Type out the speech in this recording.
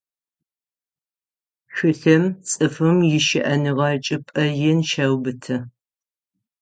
Тхылъым цӏыфым ищыӏэныгъэ чӏыпӏэ ин щеубыты.